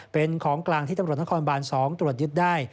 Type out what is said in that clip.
เป็นของกลางที่ตำรวจนครบาน๒ตรวจยึดได้